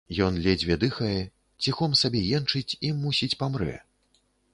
Ён ледзьве дыхае, ціхом сабе енчыць і, мусіць, памрэ.